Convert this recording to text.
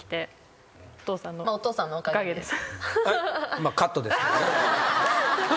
まあカットですけどね。